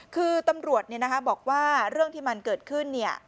คือตำรวจบอกว่าเรื่องที่มันเกิดขึ้น